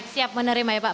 siap menerima ya pak